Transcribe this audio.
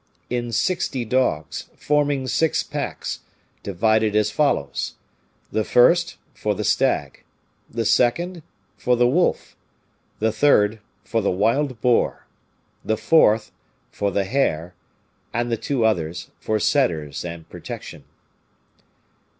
In sixty dogs, forming six packs, divided as follows: the first, for the stag; the second, for the wolf; the third, for the wild boar; the fourth, for the hare; and the two others, for setters and protection.